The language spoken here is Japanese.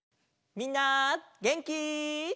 みんなげんき？